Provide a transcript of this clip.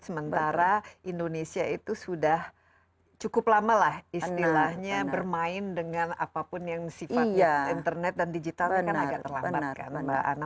sementara indonesia itu sudah cukup lama lah istilahnya bermain dengan apapun yang sifatnya internet dan digital kan agak terlambat kan mbak ana